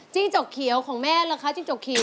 จกเขียวของแม่ล่ะคะจิ้งจกเขียว